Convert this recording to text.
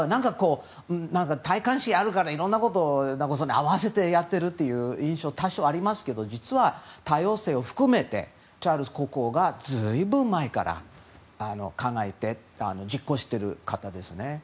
戴冠式があるからいろんなことを合わせてやっているという印象が多少ありますけど実は多様性を含めてチャールズ国王が随分前から考えて実行している方ですね。